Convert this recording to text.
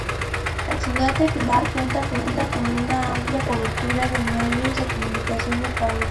La ciudad de Pilar cuenta con una amplia cobertura de medios de comunicación locales.